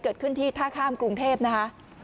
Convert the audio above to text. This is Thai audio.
เกิดขึ้นที่ท่าข้ามกรุงเทพนะคะ